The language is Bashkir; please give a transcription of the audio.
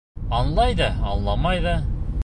— Аңлай ҙа, аңламай ҙа...